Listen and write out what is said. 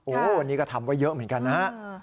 โอ้โหวันนี้ก็ทำไว้เยอะเหมือนกันนะฮะ